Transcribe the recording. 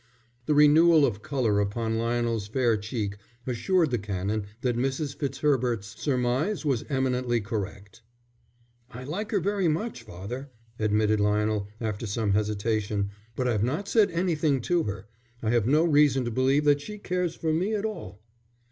The renewal of colour upon Lionel's fair cheek assured the Canon that Mrs. Fitzherbert's surmise was eminently correct. "I like her very much, father," admitted Lionel, after some hesitation, "but I've not said anything to her. I have no reason to believe that she cares for me at all."